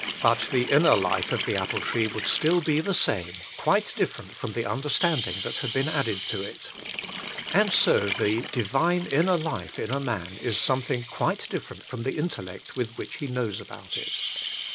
But the inner life of the apple tree would still be the same, quite different from the understanding that had been added to it. And so the inner divine life in a man is something quite different from the intellect with which he knows about it.